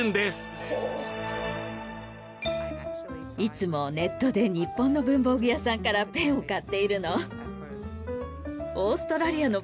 いつもネットで日本の文房具屋さんからペンを買っているの。